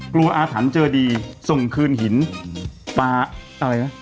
อาถรรพ์เจอดีส่งคืนหินปลาอะไรวะ